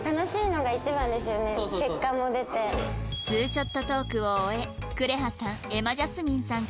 ２ショットトークを終えくれはさん